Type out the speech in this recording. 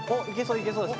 いけそうです。